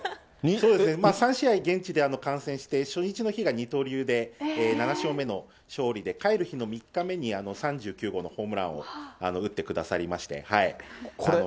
そうですね、３試合現地で観戦して、初日の日が二刀流で、７勝目の勝利で、帰る日の３日目に３９号のホームランを打ってくださりまして。